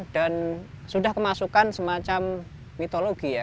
dan sudah dimasukkan semacam mitologi ya